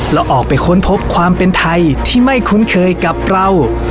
แล้วออกไปค้นพบความเป็นไทยที่ไม่คุ้นเคยกับเรา